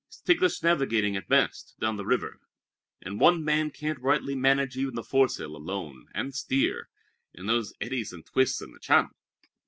It's ticklish navigating at best, down the river, and one man can't rightly manage even the foresail alone, and steer, in those eddies and twists in the channel.